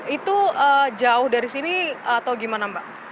itu jauh dari sini atau gimana mbak